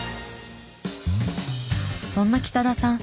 そんな北田さん